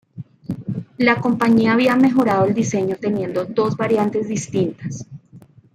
La compañía había mejorado el diseño teniendo dos variantes distintas.